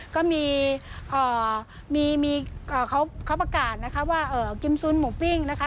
ก็มีเขาประกาศนะคะว่ากิมซูนหมูปิ้งนะคะ